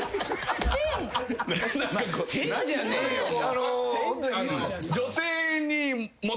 「変じゃねえよ」も。